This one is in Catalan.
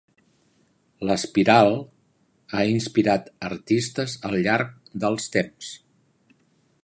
L'espiral ha inspirat artistes al llarg dels temps.